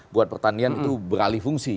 buat pertanian itu beralih fungsi